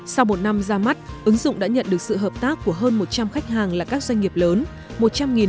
sau một năm ra mắt ứng dụng đã nhận được sự hợp tác của hơn một trăm linh khách hàng là các doanh nghiệp lớn